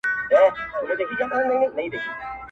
هندي الاصله امريکايي هومي بابا دی